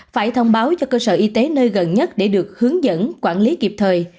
phải thông báo cho cơ sở y tế nơi gần nhất để được hướng dẫn quản lý kịp thời